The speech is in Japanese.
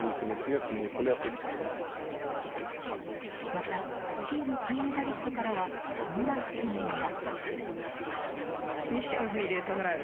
またスキーの金メダリストからはこんな発言が。